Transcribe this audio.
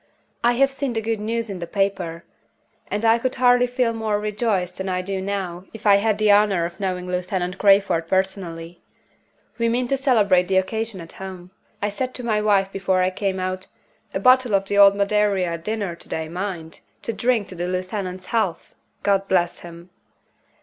"I have seen the good news in the paper; and I could hardly feel more rejoiced than I do now if I had the honor of knowing Lieutenant Crayford personally. We mean to celebrate the occasion at home. I said to my wife before I came out, 'A bottle of the old Madeira at dinner to day, mind! to drink the lieutenant's health; God bless him!